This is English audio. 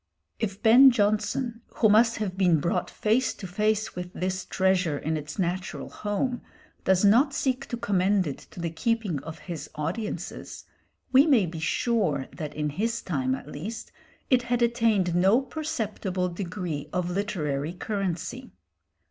If Ben Jonson, who must have been brought face to face with this treasure in its natural home, does not seek to commend it to the keeping of his audiences, we may be sure that in his time at least it had attained no perceptible degree of literary currency.